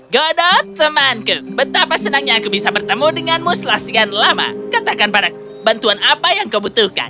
godot temanku betapa senangnya aku bisa bertemu denganmu setelah sekian lama katakan padaku bantuan apa yang kau butuhkan